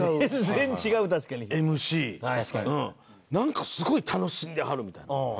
「なんかすごい楽しんではる」みたいな。